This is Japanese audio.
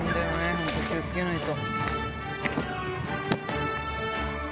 本当気を付けないと。